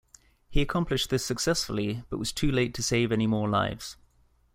He accomplished this successfully, but was too late to save any more lives.